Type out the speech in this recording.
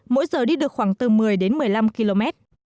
mỗi giờ đi được khoảng từ một mươi đến một mươi năm km